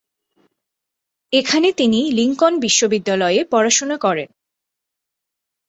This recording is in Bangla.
এখানে তিনি লিঙ্কন বিশ্ববিদ্যালয়ে পড়াশোনা করেন।